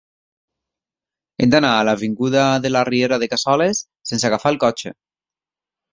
He d'anar a l'avinguda de la Riera de Cassoles sense agafar el cotxe.